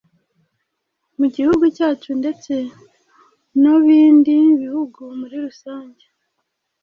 Mu gihugu cyacu ndetse no bindi bihugu muri rusange,